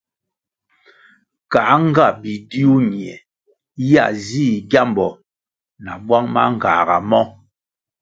Kā nga bidiu ñie ya zih gyambo na bwang mangāga mo?